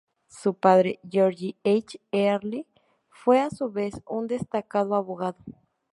Su padre, George H. Earle, fue, a su vez, un destacado abogado.